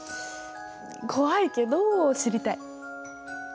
怖いけど知りたい。